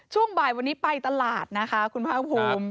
ช่วงบ่ายวันนี้ไปตลาดนะคะคุณภาคภูมิ